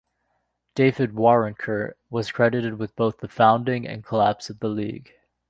David Waronker was credited with both the founding and collapse of the league.